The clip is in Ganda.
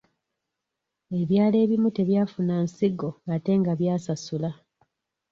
Ebyalo ebimu tebyafuna nsigo ate nga byasasula.